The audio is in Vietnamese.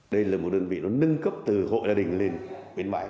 đây là một đơn vị nó nâng cấp từ hộ gia đình lên bến bãi